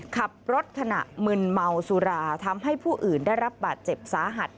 ขับรถขณะมึนเมาสุราทำให้ผู้อื่นได้รับบาดเจ็บสาหัส